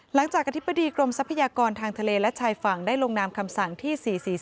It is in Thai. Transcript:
หลังจากกฤทธิปดีกรมทรัพยากรทางทะเลและชายฝั่งได้หลงนามคำสั่งที่๔๔๓๒๕๕๙